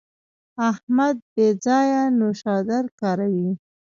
احمد بې ځایه نوشادر کاروي.